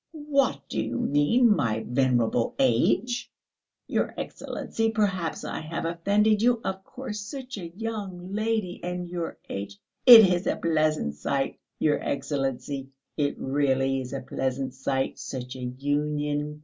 "What do you mean by venerable age?" "Your Excellency! Perhaps I have offended you? Of course such a young lady ... and your age ... it is a pleasant sight, your Excellency, it really is a pleasant sight such a union